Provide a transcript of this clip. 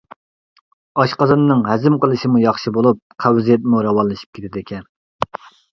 ئاشقازاننىڭ ھەزىم قىلىشىمۇ ياخشى بولۇپ قەۋزىيەتمۇ راۋانلىشىپ كېتىدىكەن.